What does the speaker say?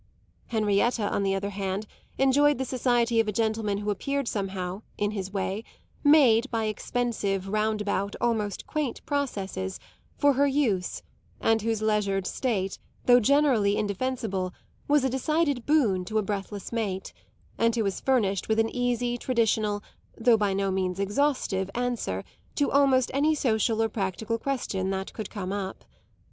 Henrietta, on the other hand, enjoyed the society of a gentleman who appeared somehow, in his way, made, by expensive, roundabout, almost "quaint" processes, for her use, and whose leisured state, though generally indefensible, was a decided boon to a breathless mate, and who was furnished with an easy, traditional, though by no means exhaustive, answer to almost any social or practical question that could come up.